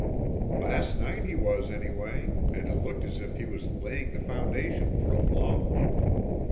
"Last night he was anyway, and it looked as if he was laying the foundation for a long one.